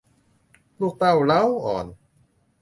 ลูกเต้าเล้าอ่อน